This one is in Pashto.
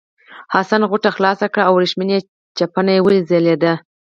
حسن غوټه خلاصه کړه او ورېښمین چپنه وځلېده.